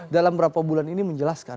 dalam berapa bulan ini menjelaskan